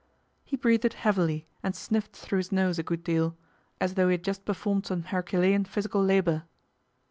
He breathed heavily and sniffed through his nose a good deal, as though he had just performed some Herculean physical labour.